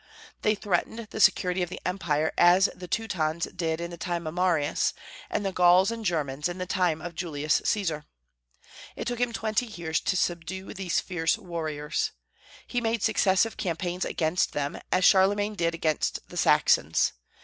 They threatened the security of the Empire, as the Teutons did in the time of Marius, and the Gauls and Germans in the time of Julius Caesar. It took him twenty years to subdue these fierce warriors. He made successive campaigns against them, as Charlemagne did against the Saxons.